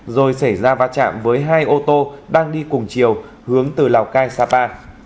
rồi xảy ra va chạm với hai ô tô đang đi cùng chiều hướng từ lào cai xa ba